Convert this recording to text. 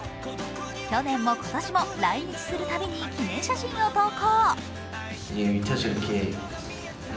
去年も今年も来日する度に記念写真を投稿。